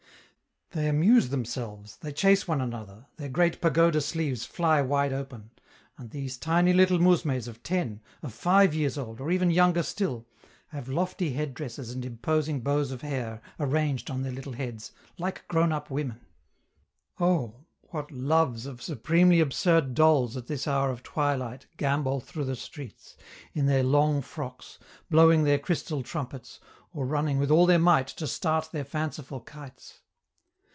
They amuse themselves, they chase one another, their great pagoda sleeves fly wide open, and these tiny little mousmes of ten, of five years old, or even younger still, have lofty head dresses and imposing bows of hair arranged on their little heads, like grown up women. Oh! what loves of supremely absurd dolls at this hour of twilight gambol through the streets, in their long frocks, blowing their crystal trumpets, or running with all their might to start their fanciful kites.